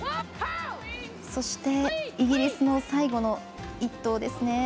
そしてイギリスの最後の１投です。